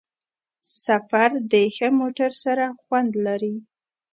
سفر د ښه موټر سره خوند لري.